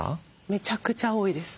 めちゃくちゃ多いです。